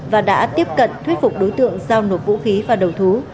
và đã tiếp cận thuyết phục đối tượng giao nộp vũ khí và đầu thú